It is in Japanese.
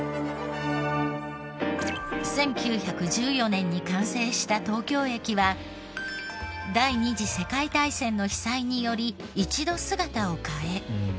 １９１４年に完成した東京駅は第二次世界大戦の被災により一度姿を変え。